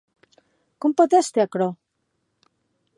Com pòt èster, aquerò?